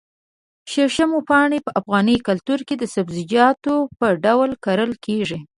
شړشمو پاڼې په افغاني کلتور کې د سبزيجاتو په ډول کرل کېږي.